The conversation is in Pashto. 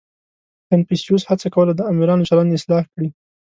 • کنفوسیوس هڅه کوله، د آمرانو چلند اصلاح کړي.